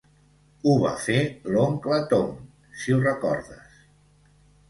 Ho va fer l'oncle Tom, si ho recordes.